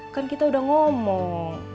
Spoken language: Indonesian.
kan kita udah ngomong